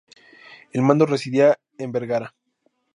El mando residía en Vergara.